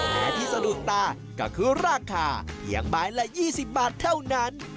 และที่สะดุดตาก็คือราคาเพียงใบละ๒๐บาทเท่านั้น